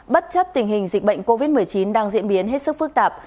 bất chấp tình hình dịch bệnh covid một mươi chín đang diễn biến hết sức phức tạp